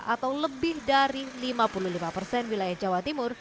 atau lebih dari lima puluh lima persen wilayah jawa timur